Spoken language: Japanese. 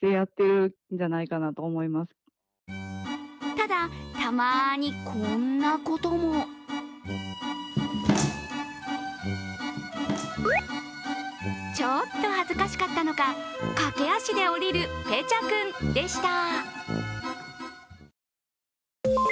ただ、たまにこんなこともちょっと恥ずかしかったのか駆け足で下りるぺちゃ君でした。